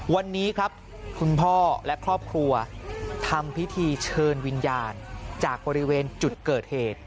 วันนี้ครับคุณพ่อและครอบครัวทำพิธีเชิญวิญญาณจากบริเวณจุดเกิดเหตุ